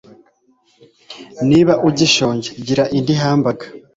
Niba ugishonje, gira indi hamburger.